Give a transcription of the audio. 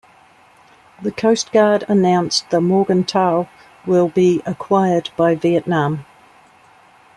The Coast Guard announced the Morgenthau will be acquired by Vietnam.